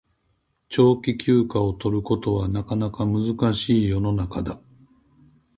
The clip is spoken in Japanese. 長期休暇を取ることはなかなか難しい世の中だ